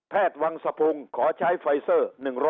แพทย์วังสะพุงขอใช้ไฟเซอร์๑๐๐